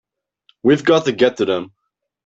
We've got to get to them!